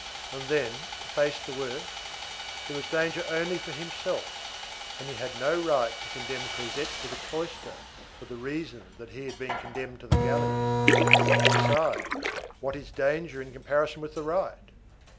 And then, to face the worst, there was danger only for himself, and he had no right to condemn Cosette to the cloister for the reason that he had been condemned to the galleys. Besides, what is danger in comparison with the right?